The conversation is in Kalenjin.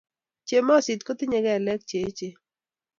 Chemosit kotinyei kelek che eechen